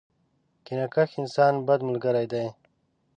کینه کښ انسان ، بد ملګری دی.